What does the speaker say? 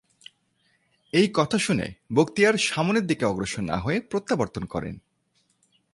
এই কথা শুনে বখতিয়ার সামনের দিকে অগ্রসর না হয়ে প্রত্যাবর্তন করেন।